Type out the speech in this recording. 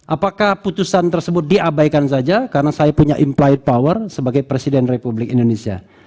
apakah putusan tersebut diabaikan saja karena saya punya implite power sebagai presiden republik indonesia